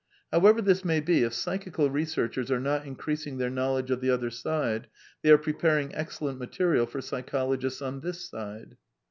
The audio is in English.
i^However this may be, if psychical researchers are not /increasing their knowledge of " the other side," they are / preparing excellent material for psychologists on this side.